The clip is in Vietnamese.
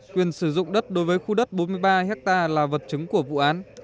quyền sử dụng đất đối với khu đất bốn mươi ba hectare là vật chứng của vụ án